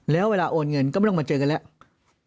แล้วเวลาโอนเงินก็ไม่ต้องมาเจอกันแล้ว